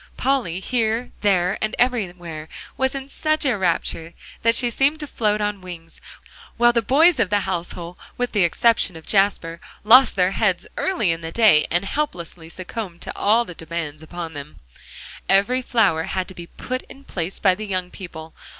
Polly, here, there, and everywhere, was in such a rapture that she seemed to float on wings, while the boys of the household, with the exception of Jasper, lost their heads early in the day, and helplessly succumbed to all demands upon them. Every flower had to be put in place by the young people.